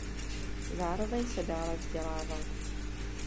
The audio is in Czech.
Zároveň se dále vzdělával.